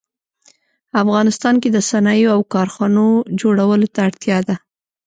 افغانستان کې د صنایعو او کارخانو جوړولو ته اړتیا ده